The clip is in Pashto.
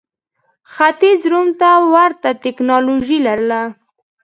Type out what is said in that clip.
ختیځ روم ته ورته ټکنالوژي لرله.